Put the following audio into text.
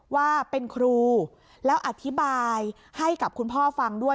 ว่าเป็นครูแล้วอธิบายให้กับคุณพ่อฟังด้วย